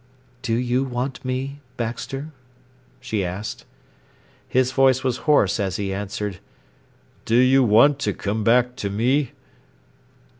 "Do you want me, Baxter?" she asked. His voice was hoarse as he answered: "Do you want to come back to me?"